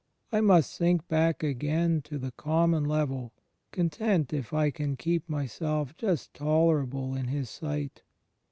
I must sink back again to the common level, content if I can keep myself just tolerable in His sight.